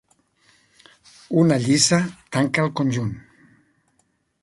Una lliça tanca el conjunt.